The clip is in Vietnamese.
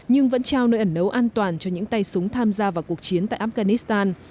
nhưng vẫn trao nơi ẩn nấu an toàn cho những tay súng tham gia vào cuộc chiến tại afghanistan